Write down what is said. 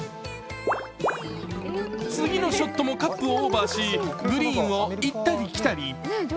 次のショットもカップをオーバーしグリーンを行ったり来たり。